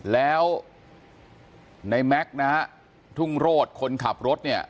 แล้วในแม็กซ์นะฮะทุ่งโรศคนขับรถเนี่ย